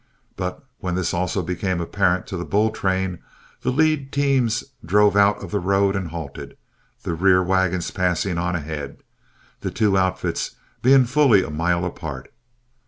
But when this also became apparent to the bull train, the lead teams drove out of the road and halted, the rear wagons passing on ahead, the two outfits being fully a mile apart.